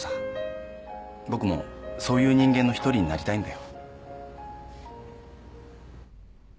僕もそういう人間の一人になりたいんだよ。